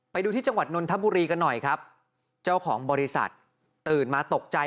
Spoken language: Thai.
ไปดูที่จังหวัดนนทบุรีกันหน่อยครับเจ้าของบริษัทตื่นมาตกใจ